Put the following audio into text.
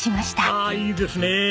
ああいいですね。